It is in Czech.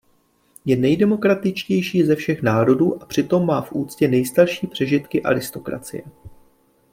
Je nejdemokratičtější ze všech národů a přitom má v úctě nejstarší přežitky aristokracie.